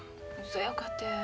そやかて。